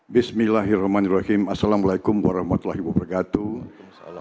bismillahirrahmanirrahim assalamualaikum warahmatullahi wabarakatuh